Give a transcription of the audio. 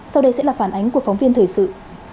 sau đây sẽ là phản ánh của phóng viên thời sự